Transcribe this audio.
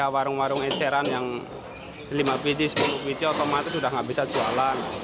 warung warung eceran yang lima biji sepuluh biji otomatis sudah tidak bisa jualan